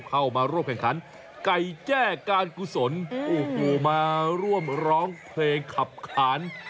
เข้ามาร่วมแข่งขันไก่แจ้การกุศลโอ้โหมาร่วมร้องเพลงขับขาน